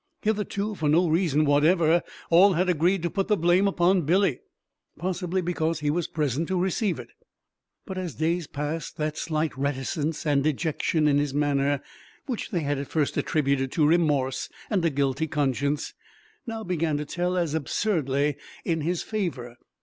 Hitherto, for no reason whatever, all had agreed to put the blame upon Billy possibly because he was present to receive it. As days passed that slight reticence and dejection in his manner, which they had at first attributed to remorse and a guilty conscience, now began to tell as absurdly in his favor.